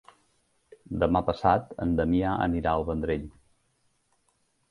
Demà passat en Damià anirà al Vendrell.